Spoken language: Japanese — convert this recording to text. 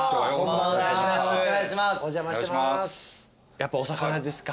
やっぱお魚ですか。